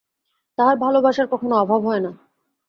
তাঁহার ভালবাসার কখনও অভাব হয় না।